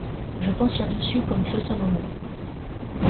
Je pense là-dessus comme feu Salomon.